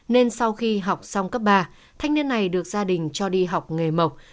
nên sau khi học xong cấp ba thanh niên này được gia đình cho đi học nghề mộc